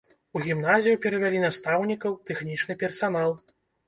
У гімназію перавялі настаўнікаў, тэхнічны персанал.